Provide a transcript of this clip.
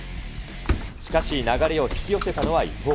しかし、流れを引き寄せたのは伊藤。